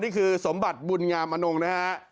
นี่คือสมบัติบุญงามนงนะฮะ